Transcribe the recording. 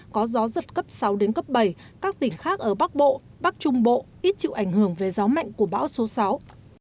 có gió giật cấp sáu đến cấp bảy các tỉnh khác ở bắc bộ bắc trung bộ ít chịu ảnh hưởng về gió mạnh của bão số sáu